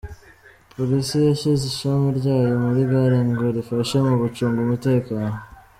Polisi yashyize ishami ryayo muri gare ngo rifashe mu gucunga umutekano.